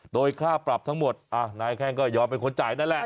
โดยค่าปรับทั้งหมดนายแข้งก็ยอมเป็นคนจ่ายนั่นแหละ